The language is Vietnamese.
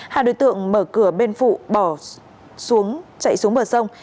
hai đối tượng mở cửa bên phụ bỏ xuống chạy xuống bờ sông